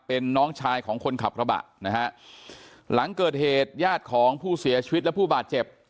เป็นน้องชายของคนขับกระบะนะฮะหลังเกิดเหตุญาติของผู้เสียชีวิตและผู้บาดเจ็บ